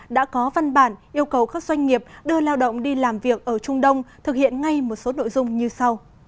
đã có văn bản yêu cầu các doanh nghiệp đưa lao động đi làm việc ở trung đông thực hiện ngay một số nội dung như sau